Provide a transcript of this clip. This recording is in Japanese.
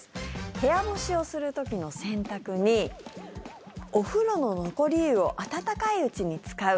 部屋干しをする時の洗濯にお風呂の残り湯を温かいうちに使う。